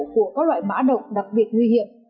của các loại mã động đặc biệt nguy hiểm